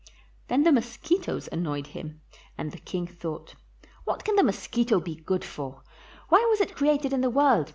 Then the mosquitoes annoyed him, and the king 573 PALESTINE thought, "What can the mosquito be good for? Why was it created in the world?